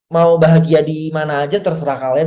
mau bahagia di mana aja terserah kalian